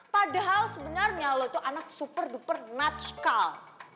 padahal sebenarnya lo itu anak super duper natchkal